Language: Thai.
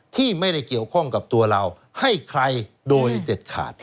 ที่ไม่ได้เกี่ยวข้องกับตัวเราให้ใครโดยเด็ดขาด